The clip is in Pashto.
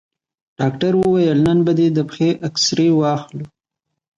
ډاکتر وويل نن به دې د پښې اكسرې واخلو.